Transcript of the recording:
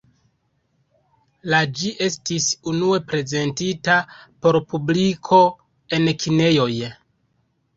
La ĝi estis unue prezentita por publiko en kinejoj.